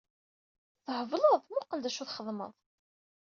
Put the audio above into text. Thebleḍ! Muqel d acu txedmeḍ!